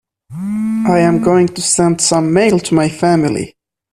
I am going to send some mail to my family.